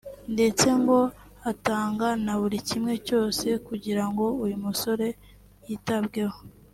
ndetse ngo atanga na buri kimwe cyose kugira ngo uyu musore yitabweho